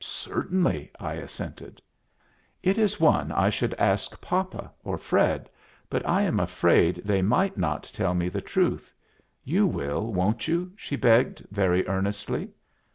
"Certainly," I assented. "It is one I should ask papa or Fred, but I am afraid they might not tell me the truth. You will, won't you?" she begged, very earnestly.